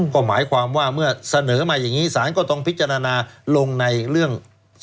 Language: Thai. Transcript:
ก็หมายความว่าเมื่อเสนอมาอย่างนี้ศาลก็ต้องพิจารณาลงในเรื่อง